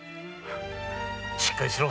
しっかりしろ。